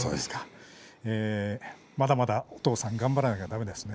まだまだお父さん頑張らなきゃだめですね。